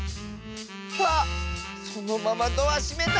あっそのままドアしめた！